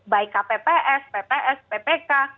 baik kpp pps ppk